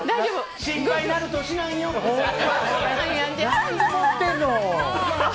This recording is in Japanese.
何で起きてんの。